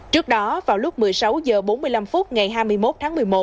trước đó vào lúc một mươi sáu h bốn mươi năm ngày hai mươi một tháng một mươi một